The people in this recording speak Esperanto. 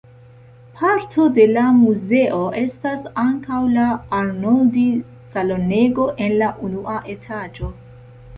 Parto de la muzeo estas ankaŭ la Arnoldi-salonego en la unua etaĝo.